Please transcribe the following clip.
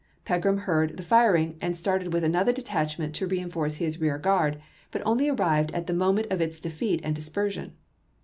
Pegram heard the fir ing and started with another detachment to re enforce his rear guard, but only arrived at the moment of its defeat and dispersion.